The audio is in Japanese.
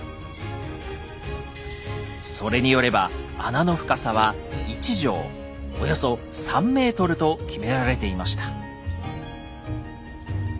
それによれば穴の深さは一丈およそ３ｍと決められていました。